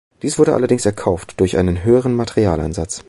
Dies wurde allerdings erkauft durch einen höheren Materialeinsatz.